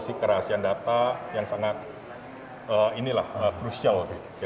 kondisi kerahasian data yang sangat crucial